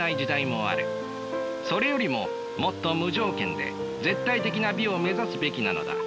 それよりももっと無条件で絶対的な美を目指すべきなのだ。